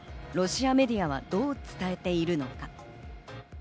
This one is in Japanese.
ロシアメディアはどう伝えているのか？